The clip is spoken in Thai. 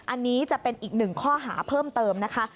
อันนี้จะเป็นอีกหนึ่งข้อหาเพิ่มเติมนะคะ